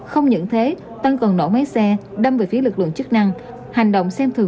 không những thế tân còn nổ máy xe đâm về phía lực lượng chức năng